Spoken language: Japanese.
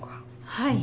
はい。